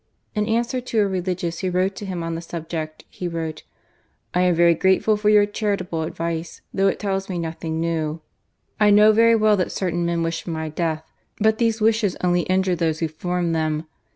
In answer to a religious who wrote to him on the subject, he wrote: "I am very grateful for your charitable advice, though it tells me nothing new. 1 know very well that certain men wish for my death ; but these wishes only injure those who form them.